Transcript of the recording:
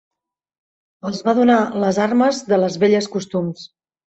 Els va donar les armes de les velles costums.